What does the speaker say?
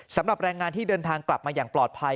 สำหรับแรงงานที่เดินทางกลับมาอย่างปลอดภัย